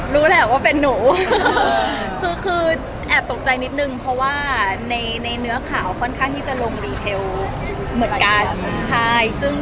รู้แหละว่าเป็นหนูคือแอบตกใจนิดนึงเพราะว่าในเนื้อข่าวค่อนข้างที่จะลงรีเทลเหมือนกัน